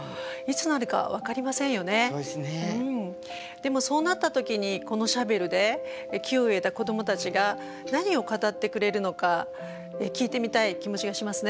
でもそうなった時にこのシャベルで木を植えた子供たちが何を語ってくれるのか聞いてみたい気持ちがしますね。